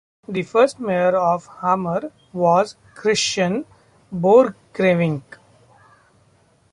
The first mayor of Hamar was Christian Borchgrevink.